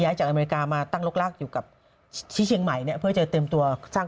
จากอเมริกามาตั้งรกรากอยู่กับที่เชียงใหม่เนี่ยเพื่อจะเตรียมตัวสร้าง